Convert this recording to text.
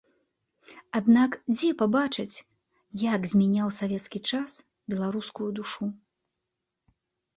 Аднак дзе пабачыць, як змяняў савецкі час беларускую душу?